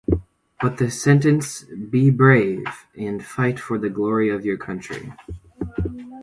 But the sentence Be brave and fight for the glory of your country!